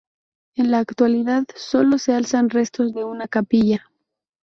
En la actualidad solo se alzan restos de una capilla.